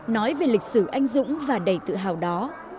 nói về lịch sử anh dũng và đầy tự hào đó